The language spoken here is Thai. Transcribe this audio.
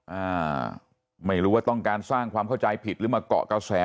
อ่าไม่รู้ว่าต้องการสร้างความเข้าใจผิดหรือมาเกาะกระแส